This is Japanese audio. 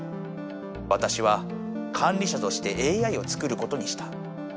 わたしは管理者としてＡＩを作ることにした。